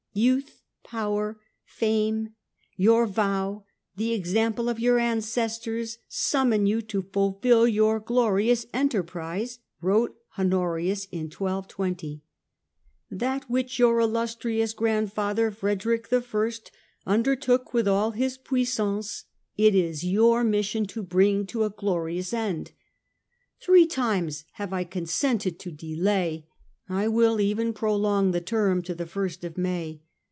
" Youth, power, fame, your vow, the example of your ancestors, summon you to fulfil your glorious enterprise," wrote Honorius in 1220. " That which your illustrious grand father, Frederick I, undertook with all his puissance, it is 50 STUPOR MUNDI your mission to bring to a glorious end. Three times have I consented to delay. I will even prolong the term to the ist of May."